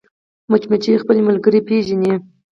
مچمچۍ خپلې ملګرې پېژني